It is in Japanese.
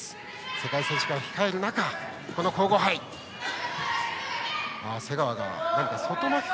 世界選手権を控える中でのこの皇后杯です。